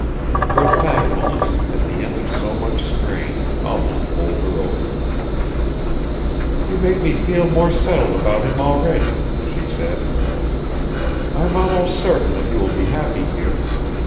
Her thankfulness, at the end of so much strain, almost bowled her over. "You make me feel more settled about him already," she said. "I'm almost certain that he will be happy here.